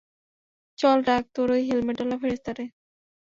চল ডাক, তোর ঐ হেলমেটওয়ালা ফেরেশতারে।